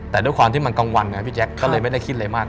แต่ด้วยความที่มันกลางวันไงพี่แจ๊คก็เลยไม่ได้คิดอะไรมาก